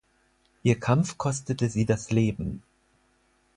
Ihr Kampf kostete sie das Leben.